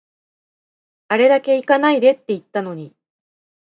あれだけ行かないでって言ったのに